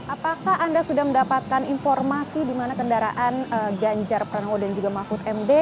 apakah anda sudah mendapatkan informasi di mana kendaraan ganjar pranowo dan juga mahfud md